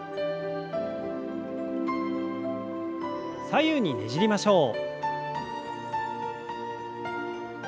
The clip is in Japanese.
左右にねじりましょう。